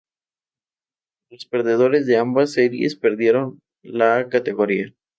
Los perdedores de ambas series perdieron la categoría.